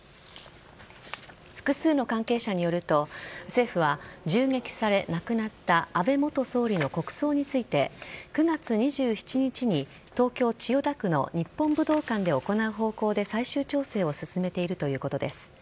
複数の関係者によると、政府は銃撃され、亡くなった安倍元総理の国葬について９月２７日に東京・千代田区の日本武道館で行う方向で最終調整を進めているということです。